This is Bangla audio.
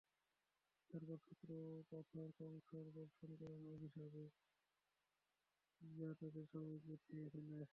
তারপর শক্ত পাথর-কংকর বর্ষণ করেন অবিরামভাবে যা তাদের সবাইকে ছেয়ে ফেলে।